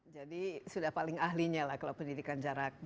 jadi sudah paling ahlinya lah kalau pendidikan jarak jauh ya